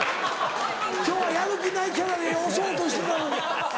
今日はやる気ないキャラで押そうとしてたのに。